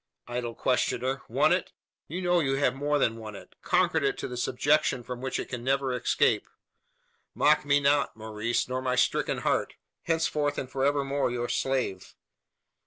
"Idle questioner! Won it? You know you have more than won it conquered it to a subjection from which it can never escape. Mock me not, Maurice, nor my stricken heart henceforth, and for evermore, your slave!"